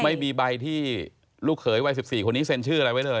ไม่มีใบที่ลูกเขยวัย๑๔คนนี้เซ็นชื่ออะไรไว้เลย